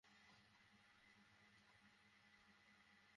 লাভের পর ক্ষতিগ্রস্ত হবে এবং পরিপূর্ণতা অর্জনের পর অপরিপূর্ণতার শিকার হবে।